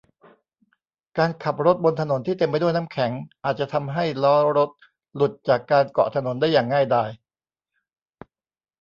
การขับรถบนถนนที่เต็มไปด้วยน้ำแข็งอาจจะทำให้ล้อรถหลุดจากการเกาะถนนได้อย่างง่ายดาย